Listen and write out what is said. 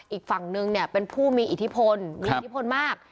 อีกฝั่งนึงเนี่ยเป็นผู้มีอิทธิพลมีอิทธิพลมาก